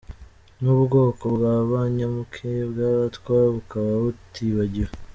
N'ubwoko bwa ba nyamuke bw'abatwa bukaba butibagiwe.